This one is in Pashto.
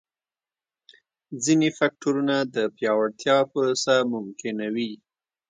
ځیني فکټورونه د پیاوړتیا پروسه ممکنوي.